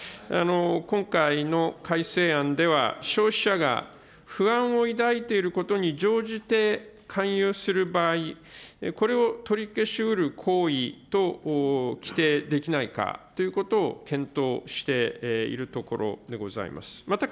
今回の改正案では、消費者が不安を抱いていることに乗じて勧誘する場合、これを取り消しうる行為と規定できないかということを検討しているところでございます。